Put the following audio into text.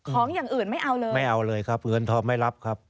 อย่างอื่นไม่เอาเลยไม่เอาเลยครับเงินทองไม่รับครับ